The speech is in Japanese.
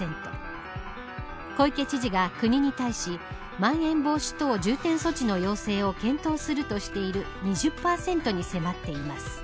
小池知事が国に対しまん延防止等重点措置の要請を検討するとしている２０％に迫っています。